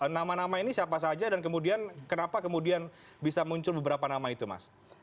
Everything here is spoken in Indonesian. nama nama ini siapa saja dan kemudian kenapa kemudian bisa muncul beberapa nama itu mas